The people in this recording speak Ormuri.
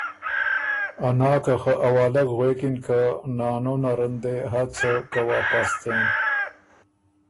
ا ناکه خه اوالګ غوېکِن که ”نانو نر ان دې هۀ څۀ که واپس څېن“